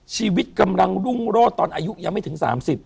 ชีวิตกำลังรุ่งโรดตอนอายุยังไม่ถึง๓๐